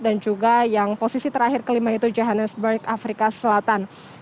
dan juga yang posisi terakhir kelima itu johannesburg afrika selatan